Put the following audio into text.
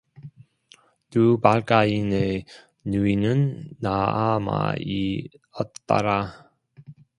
두발가인의 누이는 나아마이었더라